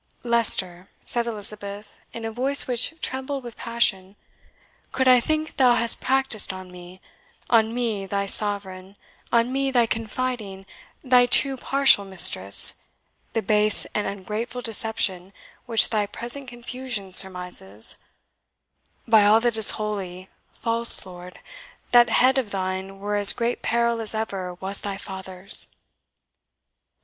"Leicester," said Elizabeth, in a voice which trembled with passion, "could I think thou hast practised on me on me thy Sovereign on me thy confiding, thy too partial mistress, the base and ungrateful deception which thy present confusion surmises by all that is holy, false lord, that head of thine were in as great peril as ever was thy father's!"